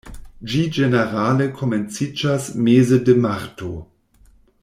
Ĝi ĝenerale komenciĝas meze de marto.